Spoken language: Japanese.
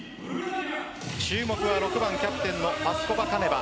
注目は６番キャプテンのパスコバカネバ。